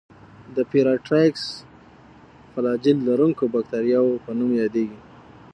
د پېرایټرایکس فلاجیل لرونکو باکتریاوو په نوم یادیږي.